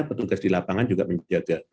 petugas di lapangan juga menjaga